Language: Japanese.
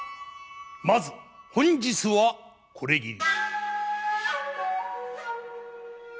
まず本日はこれぎり。